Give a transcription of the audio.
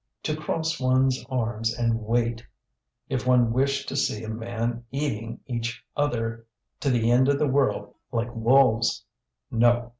to cross one's arms and wait, if one wished to see men eating each other to the end of the world like wolves. No!